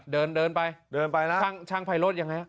เดินเดินไปเดินไปแล้วช่างไพโรธยังไงฮะ